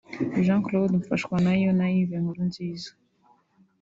Jean Claude Mfashwanayo na Yves Nkurunziza